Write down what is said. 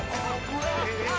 えっ！